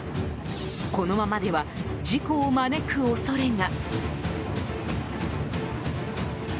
このままでは事故を招く恐れが。